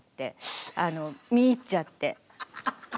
見入っちゃって２人で。